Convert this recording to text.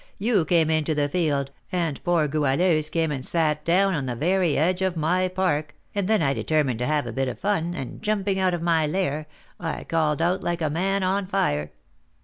you came into the field, and poor Goualeuse came and sat down on the very edge of my park, and then I determined to have a bit of fun, and, jumping out of my lair, I called out like a man on fire."